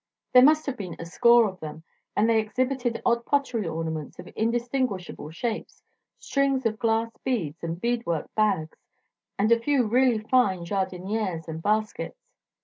There must have been a score of them, and they exhibited odd pottery ornaments of indistinguishable shapes, strings of glass beads and beadwork bags, and a few really fine jardinieres and baskets.